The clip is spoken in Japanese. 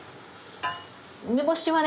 梅干しはね